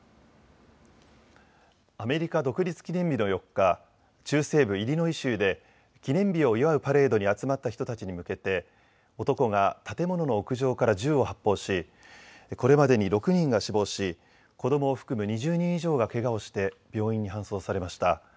アメリカ独立記念日の４日、中西部イリノイ州で記念日を祝うパレードに集まった人たちに向けて男が建物の屋上から銃を発砲しこれまでに６人が死亡し子どもを含む２０人以上がけがをして病院に搬送されました。